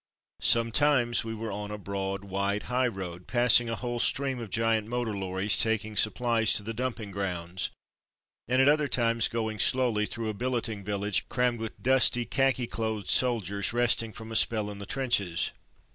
Some times we were on a broad, white high road, passing a whole stream of giant motor lorries taking supplies to the dumping grounds, and at other times going slowly through a billeting village crammed with dusty khaki clothed soldiers, resting from a spell in the trenches.